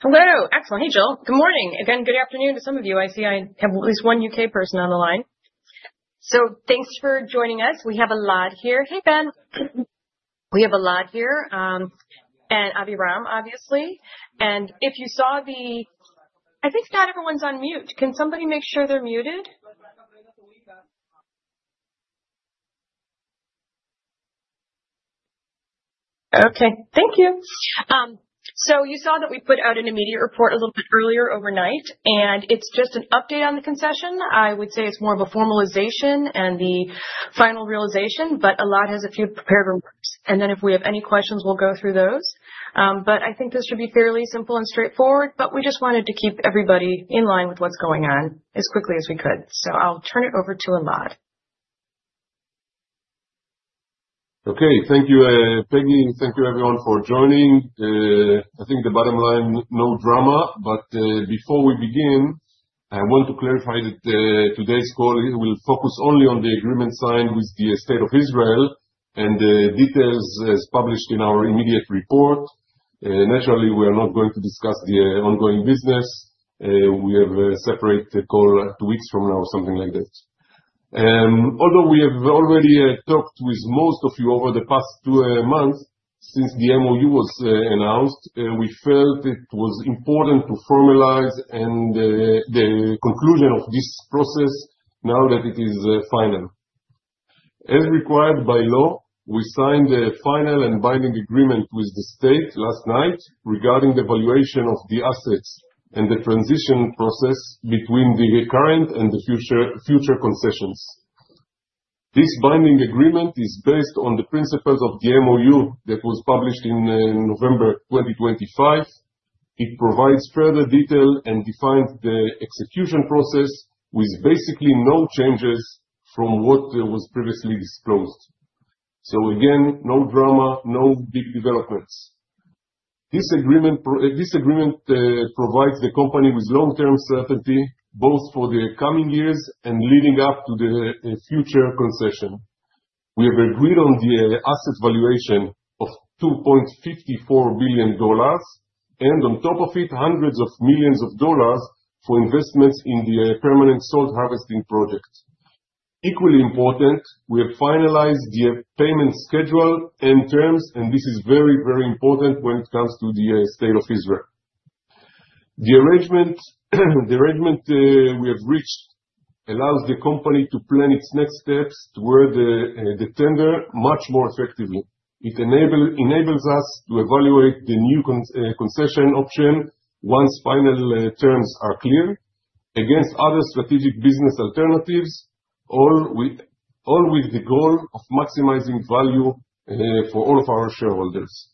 Hello! Excellent. Hey, Joel, good morning. Again, good afternoon to some of you. I see I have at least one U.K. person on the line. So thanks for joining us. We have Elad here. Hey, Ben. We have Elad here, and Aviram, obviously. And if you saw, I think not everyone's on mute. Can somebody make sure they're muted? Okay, thank you. So you saw that we put out an immediate report a little bit earlier overnight, and it's just an update on the concession. I would say it's more of a formalization and the final realization, but Elad has a few prepared remarks, and then if we have any questions, we'll go through those. But I think this should be fairly simple and straightforward, but we just wanted to keep everybody in line with what's going on as quickly as we could. I'll turn it over to Elad. Okay. Thank you, Peggy. Thank you everyone for joining. I think the bottom line, no drama, but before we begin, I want to clarify that today's call will focus only on the agreement signed with the State of Israel and details as published in our immediate report. Naturally, we are not going to discuss the ongoing business. We have a separate call two weeks from now, something like that. Although we have already talked with most of you over the past two months since the MOU was announced, we felt it was important to formalize and the conclusion of this process now that it is final. As required by law, we signed a final and binding agreement with the state last night regarding the valuation of the assets and the transition process between the current and the future, future concessions. This binding agreement is based on the principles of the MOU that was published `in November 2025. It provides further detail and defines the execution process with basically no changes from what was previously disclosed. So again, no drama, no big developments. This agreement provides the company with long-term certainty, both for the coming years and leading up to the future concession. We have agreed on the asset valuation of $2.54 billion, and on top of it, hundreds of millions of dollars for investments in the permanent salt harvesting project. Equally important, we have finalized the payment schedule and terms, and this is very, very important when it comes to the State of Israel. The arrangement we have reached allows the company to plan its next steps toward the tender much more effectively. It enables us to evaluate the new concession option once final terms are clear, against other strategic business alternatives, all with the goal of maximizing value for all of our shareholders.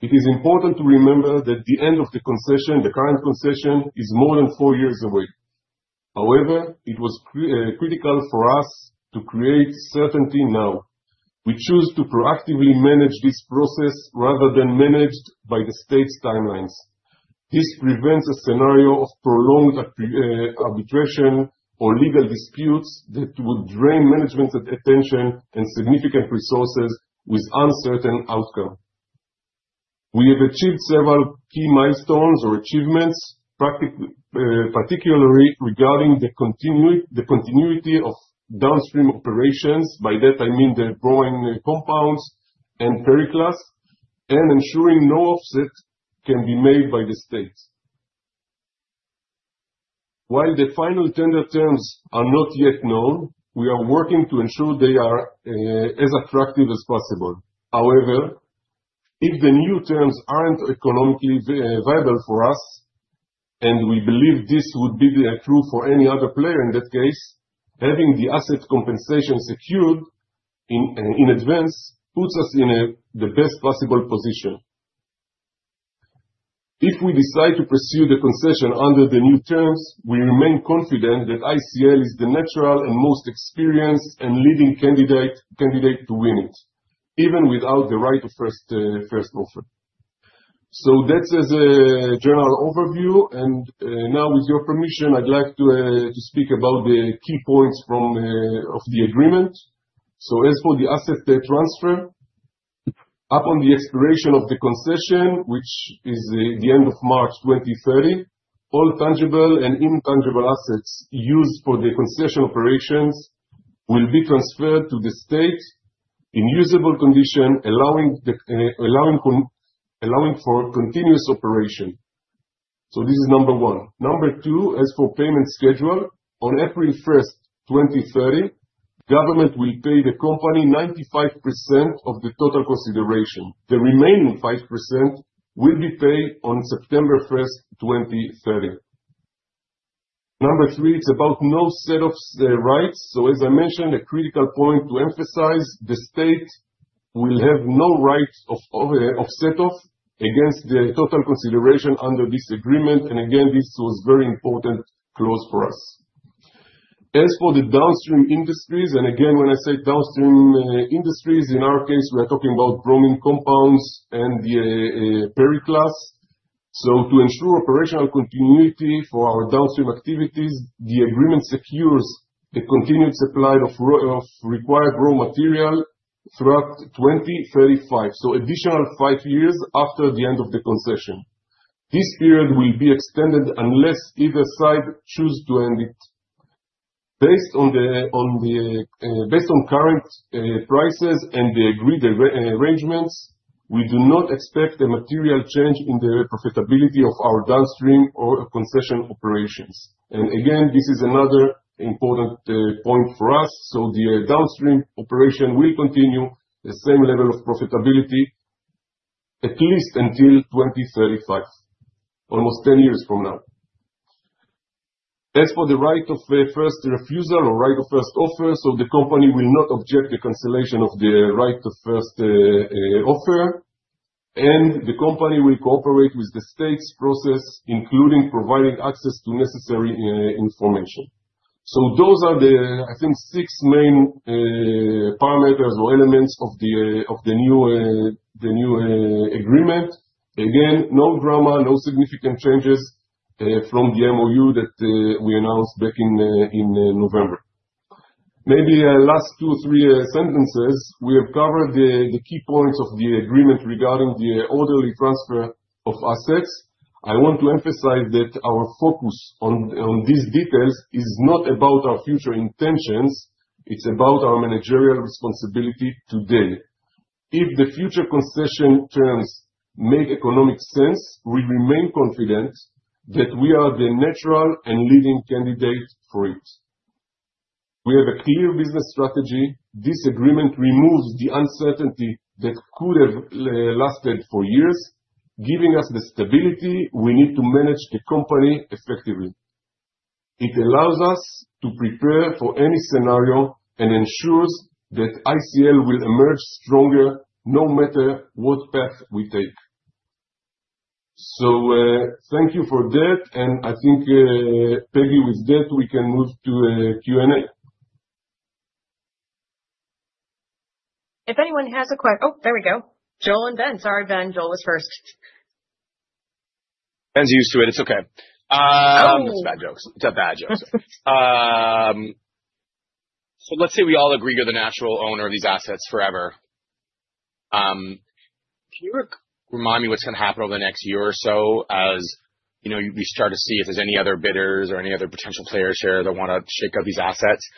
It is important to remember that the end of the concession, the current concession, is more than four years away. However, it was critical for us to create certainty now. We choose to proactively manage this process rather than managed by the state's timelines. This prevents a scenario of prolonged arbitration or legal disputes that would drain management's attention and significant resources with uncertain outcome. We have achieved several key milestones or achievements, particularly regarding the continuity of downstream operations. By that, I mean the bromine compounds and periclase, and ensuring no setoff can be made by the state. While the final tender terms are not yet known, we are working to ensure they are as attractive as possible. However, if the new terms aren't economically viable for us, and we believe this would be the truth for any other player in that case, having the asset compensation secured in advance puts us in the best possible position. If we decide to pursue the concession under the new terms, we remain confident that ICL is the natural and most experienced and leading candidate to win it, even without the right of first offer. So that's as a general overview, and now with your permission, I'd like to speak about the key points of the agreement. So as for the asset transfer, upon the expiration of the concession, which is the end of March 2030, all tangible and intangible assets used for the concession operations will be transferred to the state in usable condition, allowing for continuous operation. So this is number one. Number two, as for payment schedule, on April 1st, 2030, government will pay the company 95% of the total consideration. The remaining 5% will be paid on September 1st, 2030. Number three, it's about no set-off rights. So as I mentioned, a critical point to emphasize, the state will have no right of setoff against the total consideration under this agreement, and again, this was very important clause for us. As for the downstream industries, and again, when I say downstream industries, in our case, we are talking about bromine compounds and the periclase. So to ensure operational continuity for our downstream activities, the agreement secures a continued supply of required raw material throughout 2035, so additional 5 years after the end of the concession. This period will be extended unless either side choose to end it. Based on current prices and the agreed arrangements, we do not expect a material change in the profitability of our downstream or concession operations. And again, this is another important point for us, so the downstream operation will continue the same level of profitability at least until 2035, almost 10 years from now. As for the right of first refusal or right of first offer, so the company will not object the cancellation of the right of first offer, and the company will cooperate with the state's process, including providing access to necessary information. So those are the, I think, six main parameters or elements of the new agreement. Again, no drama, no significant changes from the MOU that we announced back in November. Maybe last 2-3 sentences. We have covered the key points of the agreement regarding the orderly transfer of assets. I want to emphasize that our focus on these details is not about our future intentions; it's about our managerial responsibility today. If the future concession terms make economic sense, we remain confident that we are the natural and leading candidate for it. We have a clear business strategy. This agreement removes the uncertainty that could have lasted for years, giving us the stability we need to manage the company effectively. It allows us to prepare for any scenario, and ensures that ICL will emerge stronger, no matter what path we take. Thank you for that, and I think, Peggy, with that, we can move to Q&A. If anyone has a question. Oh, there we go. Joel and Ben. Sorry, Ben, Joel was first. Ben's used to it, it's okay. Oh!... It's a bad joke. It's a bad joke. So let's say we all agree you're the natural owner of these assets forever. Can you remind me what's gonna happen over the next year or so, as you know, you start to see if there's any other bidders or any other potential players here that wanna shake up these assets?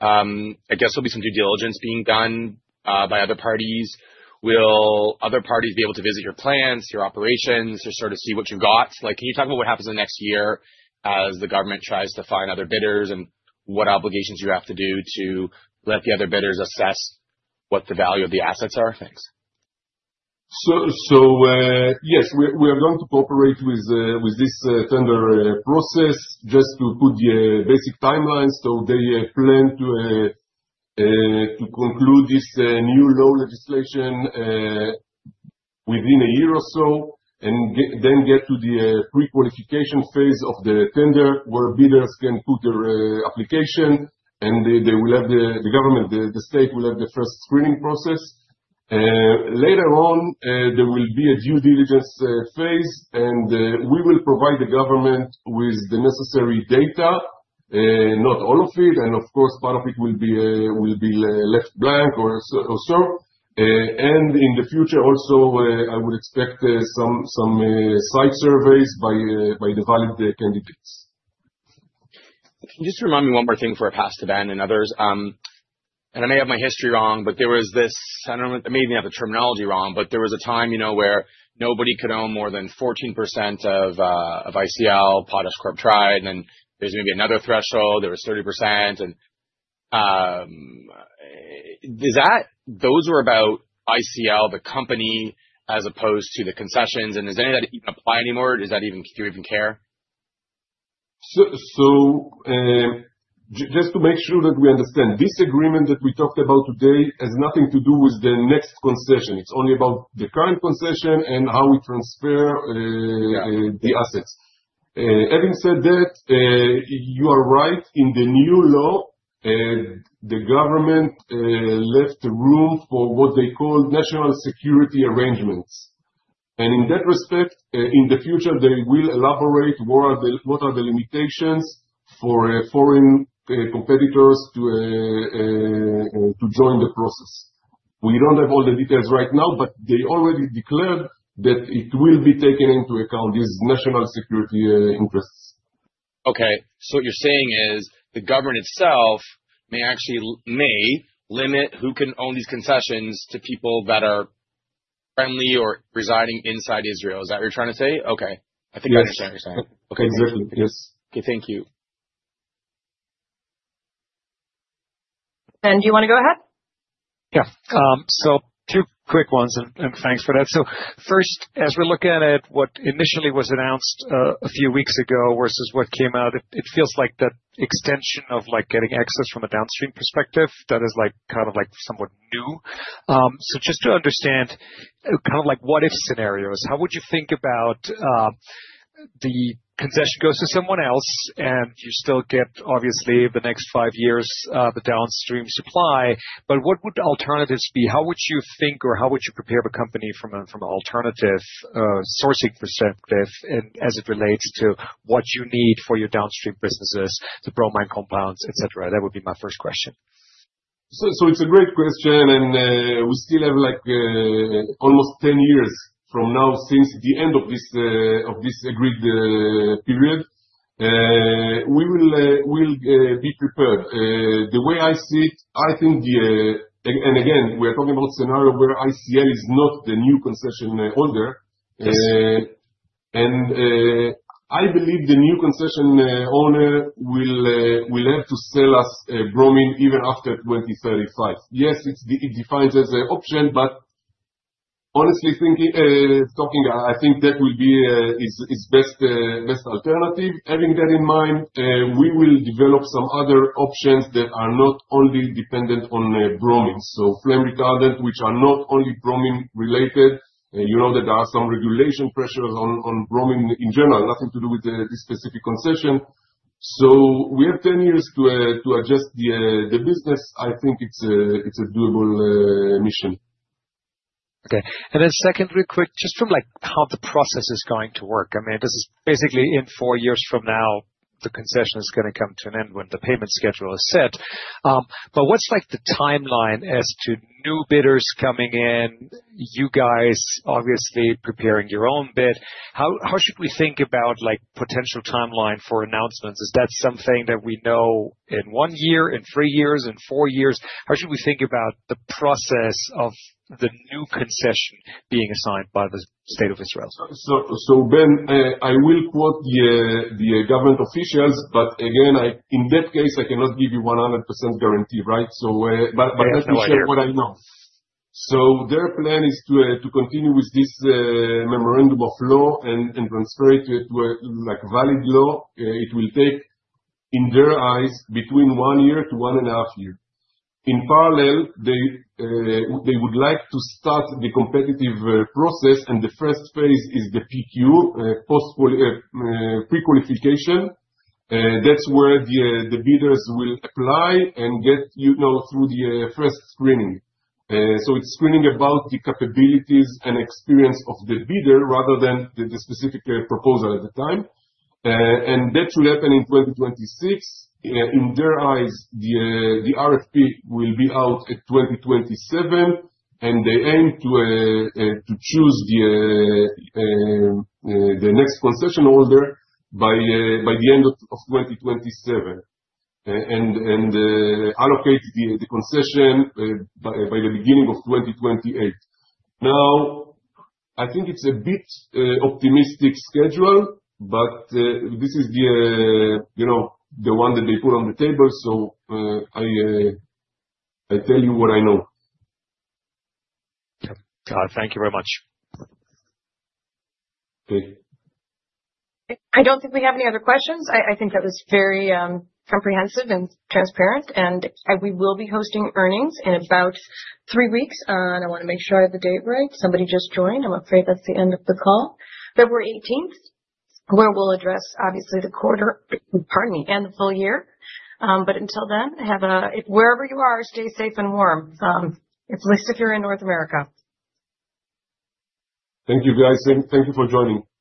I guess there'll be some due diligence being done by other parties. Will other parties be able to visit your plants, your operations, to sort of see what you've got? Like, can you talk about what happens in the next year as the government tries to find other bidders, and what obligations you have to do to let the other bidders assess what the value of the assets are? Thanks. Yes, we are going to cooperate with this tender process. Just to put the basic timeline, they plan to conclude this new law legislation within a year or so, and then get to the pre-qualification phase of the tender, where bidders can put their application, and the state will have the first screening process. Later on, there will be a due diligence phase, and we will provide the government with the necessary data. Not all of it, and of course, part of it will be left blank or so observed. And in the future, also, I would expect some site surveys by the viable candidates. Can you just remind me one more thing before I pass to Ben and others? And I may have my history wrong, but there was this... I don't know, I may even have the terminology wrong, but there was a time, you know, where nobody could own more than 14% of ICL. PotashCorp tried, and then there's maybe another threshold, there was 30%. And is that, those were about ICL, the company, as opposed to the concessions, and does any of that even apply anymore? Does that even... Do you even care? So, just to make sure that we understand, this agreement that we talked about today has nothing to do with the next concession. It's only about the current concession, and how we transfer. Yeah.... the assets. Having said that, you are right. In the new law, the government left room for what they call national security arrangements. And in that respect, in the future, they will elaborate what are the limitations for foreign competitors to join the process. We don't have all the details right now, but they already declared that it will be taken into account, these national security interests. Okay. So what you're saying is, the government itself may actually limit who can own these concessions to people that are friendly or residing inside Israel. Is that what you're trying to say? Okay. Yes. I think I understand what you're saying. Exactly, yes. Okay, thank you. Ben, do you want to go ahead? Yeah. Go. So two quick ones, and, and thanks for that. So first, as we look at it, what initially was announced, a few weeks ago, versus what came out, it, it feels like that extension of like getting access from a downstream perspective, that is like, kind of like somewhat new. So just to understand, kind of like, what if scenarios, how would you think about, the concession goes to someone else, and you still get, obviously, the next five years, the downstream supply, but what would the alternatives be? How would you think, or how would you prepare the company from an, from an alternative, sourcing perspective, and as it relates to what you need for your downstream businesses, the bromine compounds, et cetera? That would be my first question.... So, so it's a great question, and we still have, like, almost 10 years from now since the end of this, of this agreed period. We will, we'll be prepared. The way I see it, I think the... And again, we're talking about scenario where ICL is not the new concession holder. Yes. And, I believe the new concession owner will have to sell us bromine even after 2035. Yes, it's it defines as a option, but honestly thinking, talking, I, I think that will be, is, is best, best alternative. Having that in mind, we will develop some other options that are not only dependent on bromine. So flame retardant, which are not only bromine related. You know that there are some regulation pressures on, on bromine in general, nothing to do with the, this specific concession. So we have 10 years to, to adjust the, the business. I think it's a, it's a doable, mission. Okay. Then second, real quick, just from, like, how the process is going to work. I mean, this is basically in 4 years from now, the concession is gonna come to an end when the payment schedule is set. But what's, like, the timeline as to new bidders coming in, you guys obviously preparing your own bid? How, how should we think about, like, potential timeline for announcements? Is that something that we know in 1 year, in 3 years, in 4 years? How should we think about the process of the new concession being assigned by the State of Israel? So, Ben, I will quote the government officials, but again, in that case, I cannot give you 100% guarantee, right? So, but, but- Yeah, no idea. I'll share what I know. So their plan is to continue with this memorandum of law and translate it to a, like, valid law. It will take, in their eyes, between 1 year to 1.5 year. In parallel, they would like to start the competitive process, and the first phase is the PQ, prequalification. That's where the bidders will apply and get, you know, through the first screening. So it's screening about the capabilities and experience of the bidder rather than the specific proposal at the time. And that will happen in 2026. In their eyes, the RFP will be out in 2027, and they aim to choose the next concession holder by the end of 2027. And allocate the concession by the beginning of 2028. Now, I think it's a bit optimistic schedule, but this is the, you know, the one that they put on the table, so I tell you what I know. Okay. Thank you very much. Okay. I don't think we have any other questions. I think that was very comprehensive and transparent, and we will be hosting earnings in about three weeks. And I wanna make sure I have the date right. Somebody just joined. I'm afraid that's the end of the call. February 18th, where we'll address, obviously, the quarter. Pardon me, and the full year. But until then, have a... Wherever you are, stay safe and warm. At least if you're in North America. Thank you, guys. Thank you for joining.